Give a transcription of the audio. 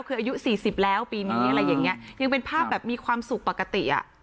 คืออายุสี่สิบแล้วปีนี้อะไรอย่างเงี้ยยังเป็นภาพแบบมีความสุขปกติอ่ะ